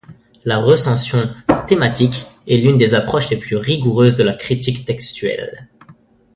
La recension stemmatique est l'une des approches les plus rigoureuses de la critique textuelle.